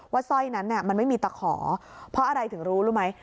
สร้อยนั้นมันไม่มีตะขอเพราะอะไรถึงรู้รู้ไหม